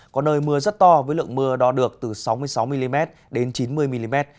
có nơi mưa rất to với lượng mưa đo được từ sáu mươi sáu mm đến chín mươi mm